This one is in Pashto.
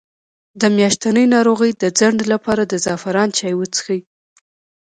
د میاشتنۍ ناروغۍ د ځنډ لپاره د زعفران چای وڅښئ